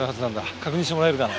確認してもらえるかな？